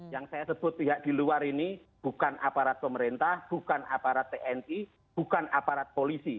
yang saya sebut pihak di luar ini bukan aparat pemerintah bukan aparat tni bukan aparat polisi